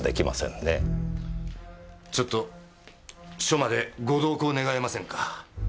ちょっと署までご同行願えませんか？